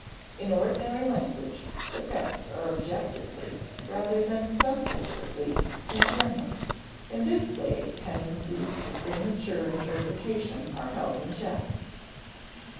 In ordinary language, the facts are objectively, rather than subjectively, determined. In this way tendencies to premature interpretation are held in check.